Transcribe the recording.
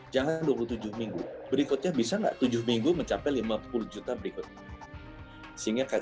jangan dua puluh tujuh minggu berikutnya bisa nggak tujuh minggu mencapai lima puluh juta berikutnya